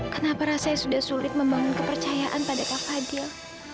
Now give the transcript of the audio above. kenapa rasanya sudah sulit membangun kepercayaan pada kava dil